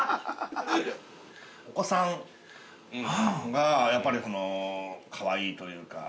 ◆お子さんがやっぱり、かわいいというか。